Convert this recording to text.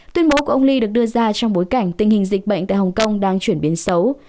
tuyên bố của ông lee được đưa ra trong bối cảnh tình hình dịch bệnh tại hồng kông đang chuyển biến xấu